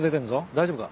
大丈夫か？